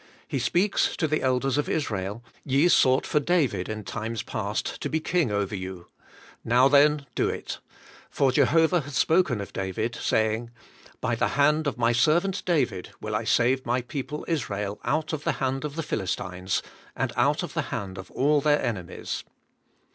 He speaks to the elders of Israel : 'Ye sought for David in times past to be king over you ; now then do it, for Jehovah hath spoken of David, saying. By the hand of my servant David will I save my people Israel out of the hand of the Philis tines, and out of the hand of all their enemies.'